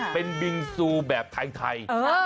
เป็นบิงซูแบบไทย